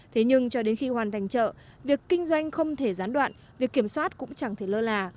thế nhưng cho đến khi hoàn thành chợ việc kinh doanh không thể gián đoạn việc kiểm soát cũng chẳng thể lơ là